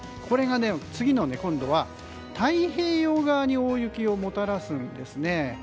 これが次の太平洋側に大雪をもたらすんですね。